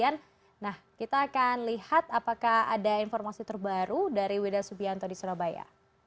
nah kita akan lihat apakah ada informasi terbaru dari wida subianto di surabaya